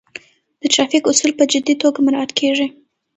د ترافیک اصول په جدي توګه مراعات کیږي.